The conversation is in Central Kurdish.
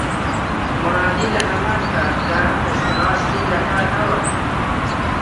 مورادی لە هەمان کاتدا پشتڕاستی دەکاتەوە